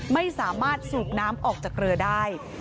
ไม่สามารถสูบน้ำออกจากเรือได้